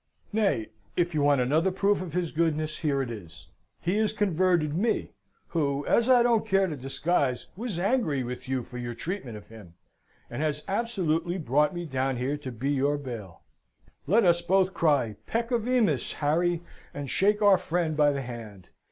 Nay, if you want another proof of his goodness, here it is: He has converted me, who, as I don't care to disguise, was angry with you for your treatment of him, and has absolutely brought me down here to be your bail. Let us both cry Peccavimus! Harry, and shake our friend by the hand!